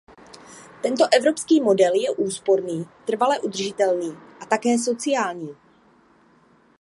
Tento evropský model je úsporný, trvale udržitelný a také sociální.